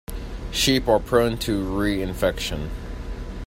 Sheep are prone to reinfection.